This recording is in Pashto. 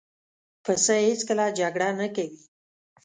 پسه هېڅکله جګړه نه کوي.